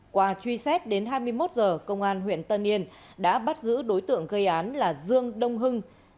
qua truy xét đến hai mươi một h công an huyện tân yên đã bắt giữ đối tượng gây án là dương đông hưng